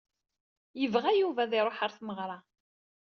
Yebɣa Yuba ad iṛuḥ ɣer tmeɣra.